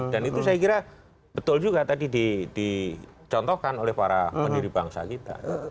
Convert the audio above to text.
dan itu saya kira betul juga tadi dicontohkan oleh para pendiri bangsa kita